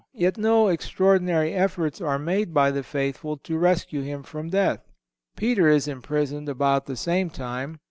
Yet no extraordinary efforts are made by the faithful to rescue him from death. Peter is imprisoned about the same time.